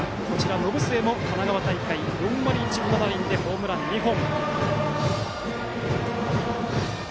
延末も神奈川大会は４割１分７厘でホームラン２本。